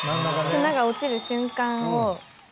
砂が落ちる瞬間を。